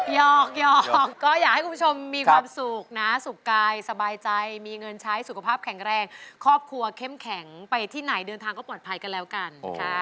หอกก็อยากให้คุณผู้ชมมีความสุขนะสุขกายสบายใจมีเงินใช้สุขภาพแข็งแรงครอบครัวเข้มแข็งไปที่ไหนเดินทางก็ปลอดภัยกันแล้วกันค่ะ